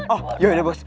oh yaudah bos